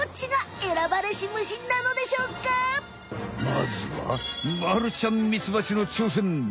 まずはまるちゃんミツバチのちょうせん！